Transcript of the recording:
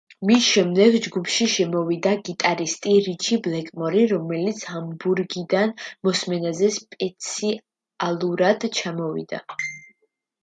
მის შემდეგ ჯგუფში მოვიდა გიტარისტი რიჩი ბლეკმორი, რომელიც ჰამბურგიდან მოსმენაზე სპეციალურად ჩამოვიდა.